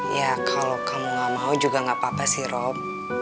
ya kalau kamu gak mau juga gak apa apa sih rob